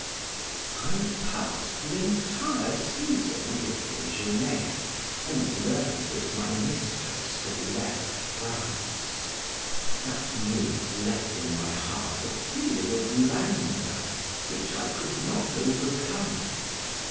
I passed the entire season with Desgenais, and learned that my mistress had left France; that news left in my heart a feeling of languor which I could not overcome.